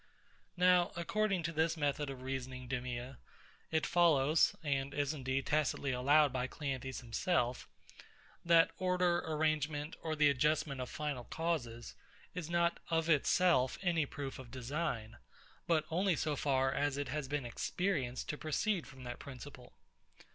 Now, according to this method of reasoning, DEMEA, it follows, (and is, indeed, tacitly allowed by CLEANTHES himself,) that order, arrangement, or the adjustment of final causes, is not of itself any proof of design; but only so far as it has been experienced to proceed from that principle.